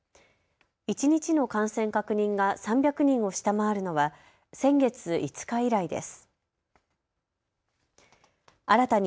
一日の感染確認が３００人を下回るのは先月５日以来です。